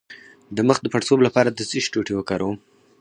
د مخ د پړسوب لپاره د څه شي ټوټې وکاروم؟